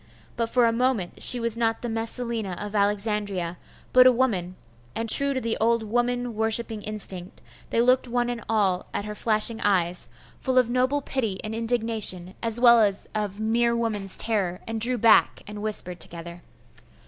But for a moment she was not the Messalina of Alexandria, but a woman; and true to the old woman worshipping instinct, they looked one and all at her flashing eyes, full of noble pity and indignation, as well as of mere woman's terror and drew back, and whispered together.